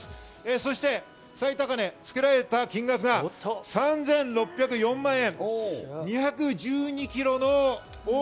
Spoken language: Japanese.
そして、高値、つけられた金額が３６０４万円。